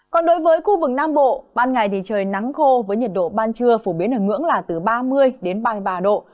còn đối với khu vực nam bộ ban ngày thì trời nắng khô với nhiệt độ ban trưa phổ biến ở ngưỡng là từ ba mươi ba mươi ba độ